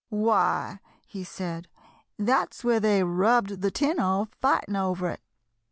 "Why," he said, "that's where they rubbed the tin off fighting over it."